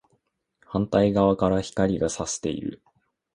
反対側から光が射している